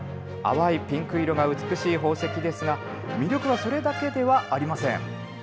淡いピンク色が美しい宝石ですが、魅力はそれだけではありません。